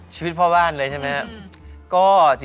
ชีวิตพ่อบ้านเลยใช่ไหมครับ